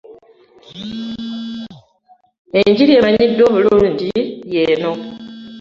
Engiri emanyiddwa obulungi yeno.